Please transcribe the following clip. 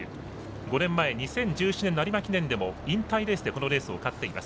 ５年前、２０１７年の有馬記念でも引退レースでこのレースを勝っています。